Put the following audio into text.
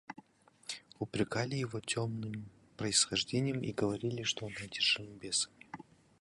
Упрекали его темным происхождением и говорили, что он одержим бесами.